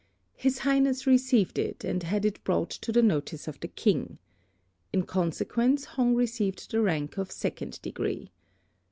His Highness received it, and had it brought to the notice of the King. In consequence, Hong received the rank of Second Degree.